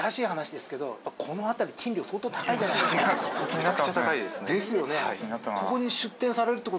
めちゃくちゃ高いですね。ですよね。